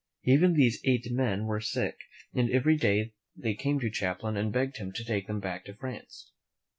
Even these eight men were sick, and every day they came to Champlain and begged him to take them back to France.